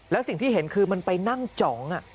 แล้วสิ่งที่เห็นคือมันไปนั่งจ๋อง